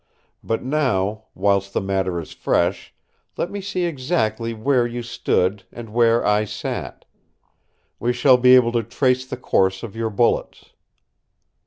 But now, whilst the matter is fresh, let me see exactly where you stood and where I sat. We shall be able to trace the course of your bullets."